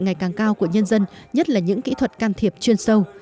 ngày càng cao của nhân dân nhất là những kỹ thuật can thiệp chuyên sâu